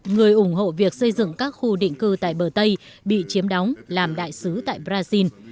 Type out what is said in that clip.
người ủng hộ việc xây dựng các khu định cư tại bờ tây bị chiếm đóng làm đại sứ tại brazil